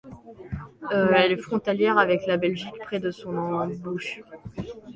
Elle est frontalière avec la Belgique près de son embouchure.